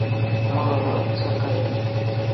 Малалла утса кайрӗ.